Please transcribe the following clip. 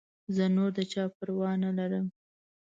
زه نور د چا پروا نه لرم.